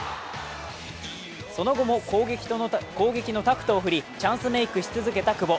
その後も、攻撃のタクトを振りチャンスメイクし続けた久保。